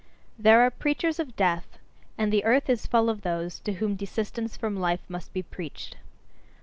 There are preachers of death: and the earth is full of those to whom desistance from life must be preached.